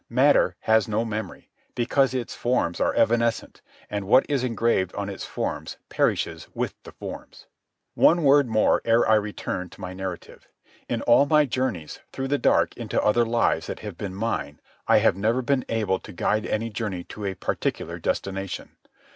Matter has no memory, because its forms are evanescent, and what is engraved on its forms perishes with the forms. One word more ere I return to my narrative. In all my journeys through the dark into other lives that have been mine I have never been able to guide any journey to a particular destination.